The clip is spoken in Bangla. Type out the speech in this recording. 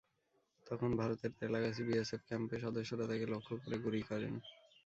তখন ভারতের ভেলাগাছি বিএসএফ ক্যাম্পের সদস্যরা তাঁকে লক্ষ্য করে গুলি করেন।